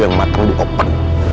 yang mateng di oven